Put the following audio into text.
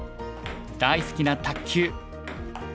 大好きな卓球。